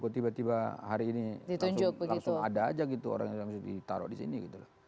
tiba tiba hari ini langsung ada aja orang yang bisa ditaruh di sini gitu